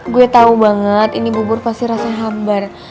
gue tau banget ini bubur pasti rasanya hambar